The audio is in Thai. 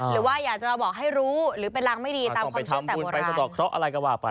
หรือว่าอยากจะบอกให้รู้หรือเป็นลักษณ์ไม่ดีตามความเชื่อแต่โบราณ